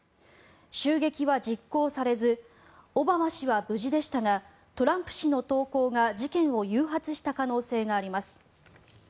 襲撃は実行されずオバマ氏は無事でしたがトランプ氏の投稿が事件を誘発した可能性があります。